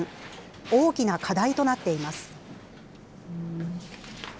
大きな課題となっています。